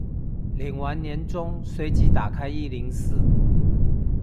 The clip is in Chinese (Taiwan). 領完年終隨即打開一零四